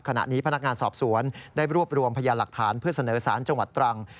ขณะนี้พนักงานสอบสวนได้รวบรวมพยานหลักฐานเพื่อเสนอสารจังหวัดตรัง